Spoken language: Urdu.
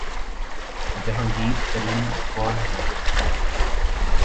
جہانگیر ترین کون ہیں؟